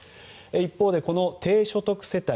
一方で低所得世帯。